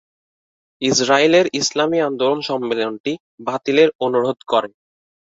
ইসরাইলের ইসলামী আন্দোলন সম্মেলনটি বাতিলের অনুরোধ করে।